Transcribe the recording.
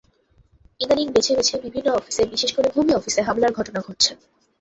ইদানীং বেছে বেছে বিভিন্ন অফিসে বিশেষ করে ভূমি অফিসে হামলার ঘটনা ঘটছে।